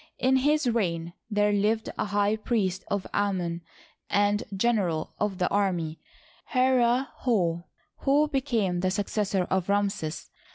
In his reign there lived a high priest of Amon and general of the army, Herihor, who became the successor of Ramses.